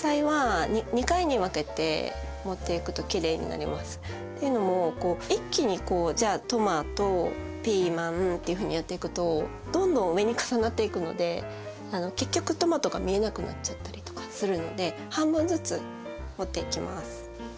残りのというのも一気にじゃあトマトピーマンっていうふうにやっていくとどんどん上に重なっていくので結局トマトが見えなくなっちゃったりとかするので半分ずつ盛っていきます。